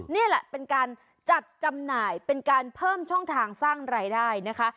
นี่แหละเป็นการจัดจำหน่ายเป็นการเพิ่มช่องทางสร้างรายได้นะคะ